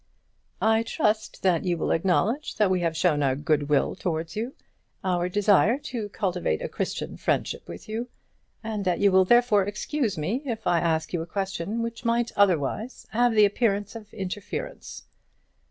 "I trust that you will acknowledge that we have shown our good will towards you, our desire to cultivate a Christian friendship with you, and that you will therefore excuse me if I ask you a question which might otherwise have the appearance of interference.